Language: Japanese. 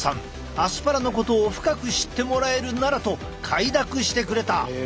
アスパラのことを深く知ってもらえるならと快諾してくれた。